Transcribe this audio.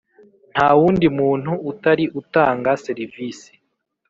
Nta wundi muntu utari utanga serivisi